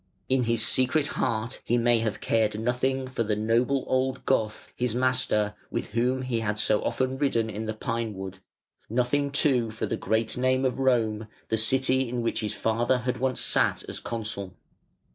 In his secret heart he may have cared nothing for the noble old Goth, his master, with whom he had so often ridden in the pine wood; nothing, too, for the great name of Rome, the city in which his father had once sat as consul.